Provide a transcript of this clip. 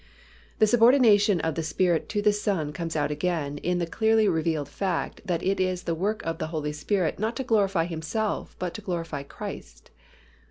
The subordination of the Spirit to the Son comes out again in the clearly revealed fact that it is the work of the Holy Spirit not to glorify Himself but to glorify Christ.